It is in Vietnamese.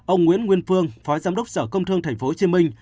ông nguyễn nguyên phương phó giám đốc sở công thương tp hcm